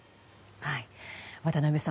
渡辺さん